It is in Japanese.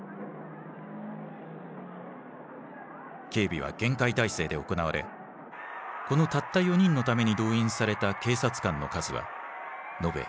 警備は厳戒態勢で行われこのたった４人のために動員された警察官の数は延べ８，０００人に上った。